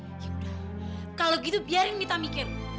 yaudah kalau gitu biarin mita mikir